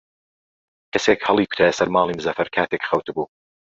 کەسێک هەڵی کوتایە سەر ماڵی مزەفەر کاتێک خەوتبوو.